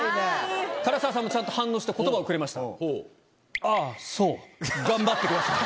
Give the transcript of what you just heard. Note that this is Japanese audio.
唐沢さんもちゃんと反応して言葉をくれました。